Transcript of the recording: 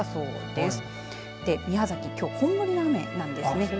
で、宮崎、きょうは本降りの雨なんですね。